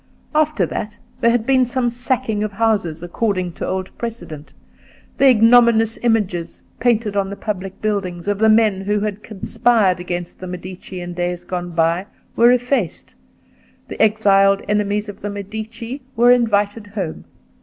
After that, there had been some sacking of houses, according to old precedent; the ignominious images, painted on the public buildings, of the men who had conspired against the Medici in days gone by, were effaced; the exiled enemies of the Medici were invited home.